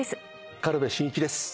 軽部真一です。